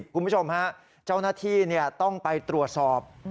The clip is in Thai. คุณผู้ชมฮะเจ้าหน้าที่ต้องไปตรวจสอบ